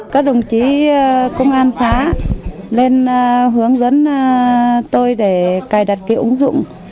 các đồng chí công an xã lên hướng dẫn tôi để cài đặt cái ứng dụng